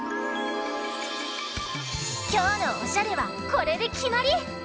きょうのおしゃれはこれできまり！